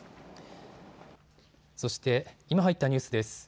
そして、今入ったニュースです。